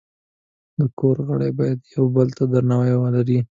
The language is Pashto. د کور غړي باید یو بل ته درناوی ولري.